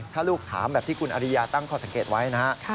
ถ้าลูกถามแบบที่คุณอริยาตั้งข้อสังเกตไว้นะฮะ